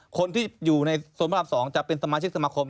คนที่อยู่ในโซนพระราม๒จะเป็นสมาชิกสมาคม